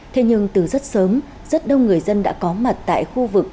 thế nhưng từ rất sớm rất đông người dân đã có mặt tại khu vực